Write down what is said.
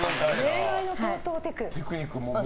恋愛の高等テク。